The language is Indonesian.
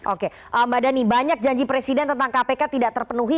oke mbak dhani banyak janji presiden tentang kpk tidak terpenuhi